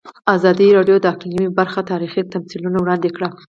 ازادي راډیو د اقلیم په اړه تاریخي تمثیلونه وړاندې کړي.